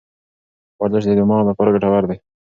ورزش د دماغ لپاره ګټور دی.